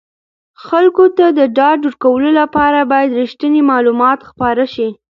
خلکو ته د ډاډ ورکولو لپاره باید رښتیني معلومات خپاره شي.